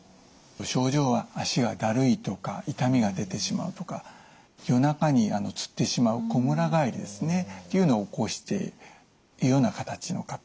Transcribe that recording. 症状は脚がだるいとか痛みが出てしまうとか夜中につってしまうこむらがえりですねというのを起こしているような形の方。